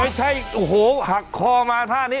ไม่ใช่โอ้โหหักคอมาท่านี้